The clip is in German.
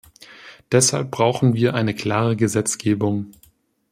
Deshalb brauchen wir eine klare Gesetzgebung.